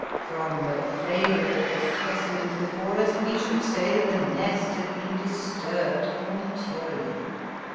From the flavour of the specimens before us we should say that the nest had been disturbed prematurely.